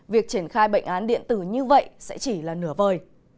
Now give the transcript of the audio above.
việc triển khai bệnh án điện tử như vậy sẽ chỉ là nửa vời